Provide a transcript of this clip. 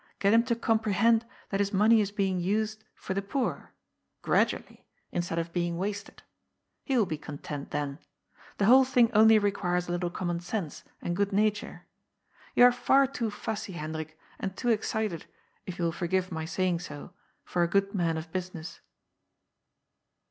Get him to com prehend that his money is being used for the poor — gradu ally — instead of being wasted. He will be content then. The whole thing only requires a little common sense and good nature. You are far too fussy, Hendrik, and too ex cited, if you will forgive my saying so, for a good man of business.''